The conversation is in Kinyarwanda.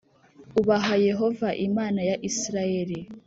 ubaha Yehova Imana ya Isirayeli